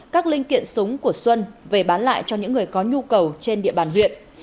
các linh kiện súng của xuân về bán lại cho những người có nhu cầu trên địa bàn huyện